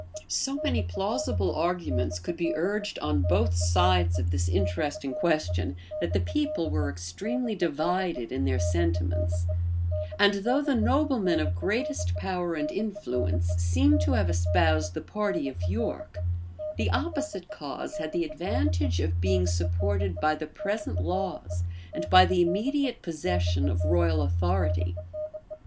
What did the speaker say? So many plausible arguments could be urged on both sides of this interesting question, that the people were extremely divided in their sentiments; and though the noblemen of greatest power and influence seem to have espoused the party of York, the opposite cause had the advantage of being supported by the present laws, and by the immediate possession of royal authority.